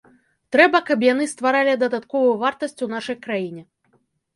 Трэба, каб яны стваралі дадатковую вартасць у нашай краіне.